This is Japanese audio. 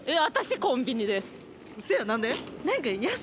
私コンビニです。